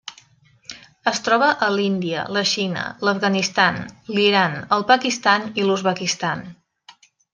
Es troba a l'Índia, la Xina, l'Afganistan, l'Iran, el Pakistan i l'Uzbekistan.